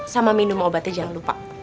sama minum obatnya jangan lupa